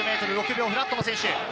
５０ｍ６秒フラットの選手。